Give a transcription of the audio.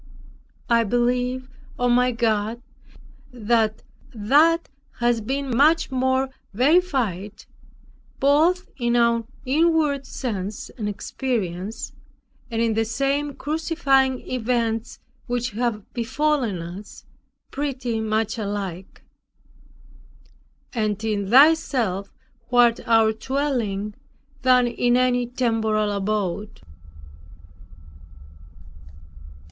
I believe, O my God, that that has been much more verified, both in our inward sense and experience, and in the same crucifying events which have befallen us, pretty much alike; and in Thyself, who art our dwelling, than in any temporal abode.